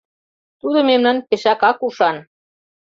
— Тудо мемнан пешакак ушан.